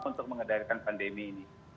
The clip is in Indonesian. untuk mengadalkan pandemi ini